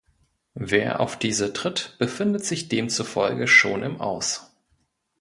Wer auf diese tritt, befindet sich demzufolge schon im Aus.